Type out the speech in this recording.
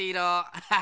アッハハ。